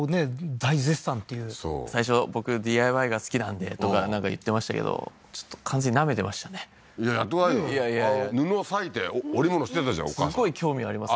大絶賛っていうそう最初僕ＤＩＹが好きなんでとかなんか言ってましたけどちょっと完全にナメてましたねいややってごらんよ布裂いて織物してたじゃんお母さんすごい興味あります